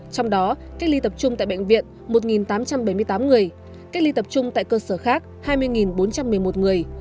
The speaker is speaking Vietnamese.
trong đó cách ly tập trung tại bệnh viện một tám trăm bảy mươi tám người cách ly tập trung tại cơ sở khác hai mươi bốn trăm một mươi một người